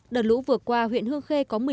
đợt lũ vừa qua huyện hương khê có một mươi bốn